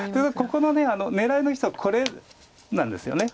ここの狙いの人はこれなんですよね。